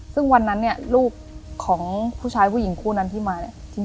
ซึ่งวันนั้นเนี่ยลูกของผู้ชายผู้หญิงคู่นั้นที่มาเนี่ย